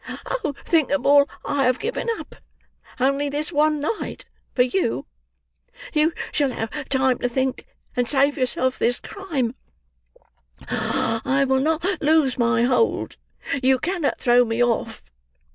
Oh! think of all I have given up, only this one night, for you. You shall have time to think, and save yourself this crime; I will not loose my hold, you cannot throw me off.